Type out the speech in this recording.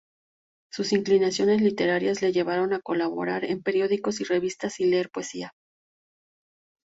Sus inclinaciones literarias le llevaron a colaborar en periódicos y revistas y leer poesía.